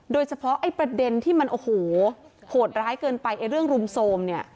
โดยเฉพาะประเด็นที่มันโหดร้ายเกินไปเรื่องรุมโทรม